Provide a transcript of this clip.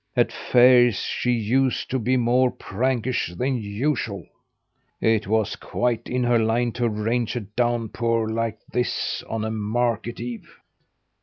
At fairs she used to be more prankish than usual. It was quite in her line to arrange a downpour like this on a market eve."